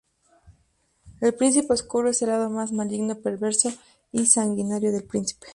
El Príncipe Oscuro es el lado más maligno, perverso y sanguinario del Principe.